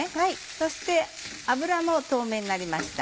そして油も透明になりました。